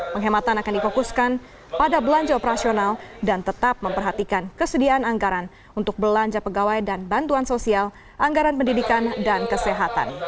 penghematan akan difokuskan pada belanja operasional dan tetap memperhatikan kesediaan anggaran untuk belanja pegawai dan bantuan sosial anggaran pendidikan dan kesehatan